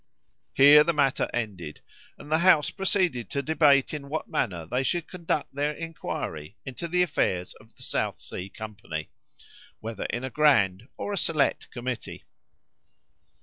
Here the matter ended, and the House proceeded to debate in what manner they should conduct their inquiry into the affairs of the South Sea company, whether in a grand or a select committee.